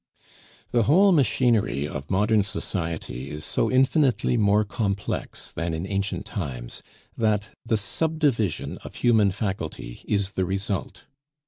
The whole machinery of modern society is so infinitely more complex than in ancient times, that the subdivision of human faculty is the result.